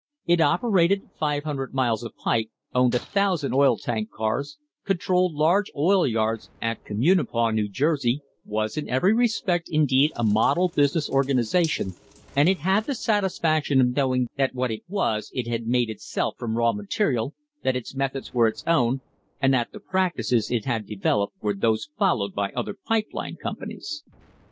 It operated 500 miles of pipe, owned a thousand oil tank cars, controlled large oil yards at Communipaw, New Jersey, was in every respect indeed a model business organisa tion, and it had the satisfaction of knowing that what it was it had made itself from raw material, that its methods were its own, and that the practices it had developed were those followed by other pipe line companies.